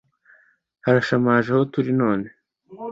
harashamaje aho turi none,